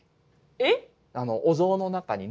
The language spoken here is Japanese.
えっ？